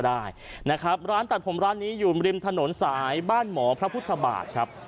ได้นะครับร้านตัดผมร้านนี้อยู่ริมถนนสายบ้านหมอพระพุทธบาทครับ